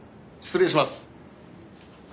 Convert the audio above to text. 失礼します。